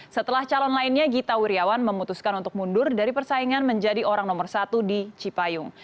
setelah calon lainnya gita wirjawan memutuskan untuk mundur dari persaingan menjadi orang nomor satu di cipayung